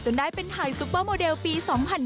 ได้เป็นไทยซุปเปอร์โมเดลปี๒๐๒๐